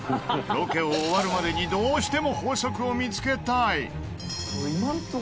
ロケを終わるまでにどうしても法則を見つけたい！